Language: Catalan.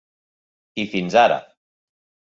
I, fins ara.